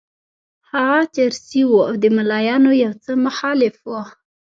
هغه چرسي وو او د ملایانو یو څه مخالف وو.